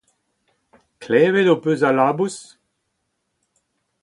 Klevet ho peus al labous ?